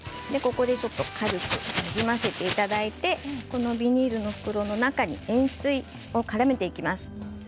ここでちょっと軽くなじませていただいてこのビニールの袋の中に、塩水をからめていきます。